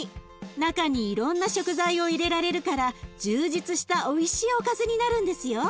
中にいろんな食材を入れられるから充実したおいしいおかずになるんですよ。